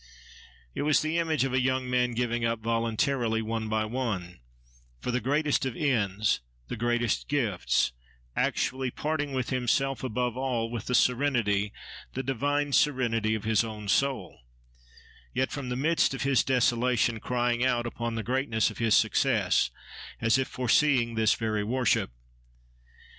It was the image of a young man giving up voluntarily, one by one, for the greatest of ends, the greatest gifts; actually parting with himself, above all, with the serenity, the divine serenity, of his own soul; yet from the midst of his desolation crying out upon the greatness of his success, as if foreseeing this very worship.